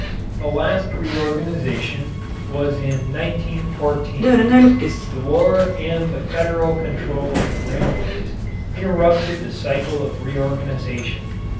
The last reorganization was in 1914. The war and the federal control of the railways interrupted the cycle of reorganization.